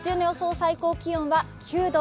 最高気温は９度。